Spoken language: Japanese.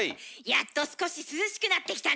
やっと少し涼しくなってきたね。